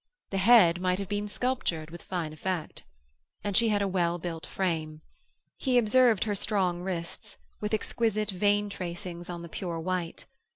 The head might have been sculptured with fine effect. And she had a well built frame. He observed her strong wrists, with exquisite vein tracings on the pure white.